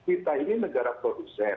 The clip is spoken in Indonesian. kita ini negara produser